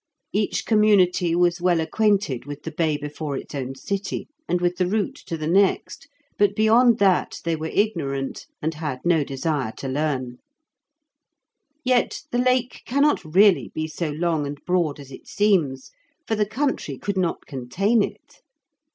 Each community was well acquainted with the bay before its own city, and with the route to the next, but beyond that they were ignorant, and had no desire to learn. Yet the Lake cannot really be so long and broad as it seems, for the country could not contain it.